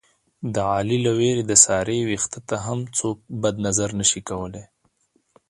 د علي له وېرې د سارې وېښته ته هم څوک بد نظر نشي کولی.